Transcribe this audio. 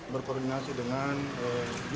berkoordinasi dengan unit pemerintah